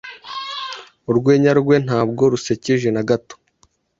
Urwenya rwe ntabwo rusekeje na gato.